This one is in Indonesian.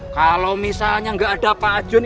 kalau misalnya gak ada pak jun